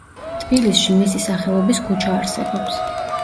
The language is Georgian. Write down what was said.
თბილისში მისი სახელობის ქუჩა არსებობს.